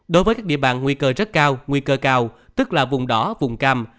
đối với các địa bàn nguy cơ rất cao nguy cơ cao tức là vùng đỏ vùng cam